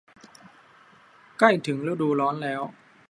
ใกล้ถึงฤดูร้อนแล้ว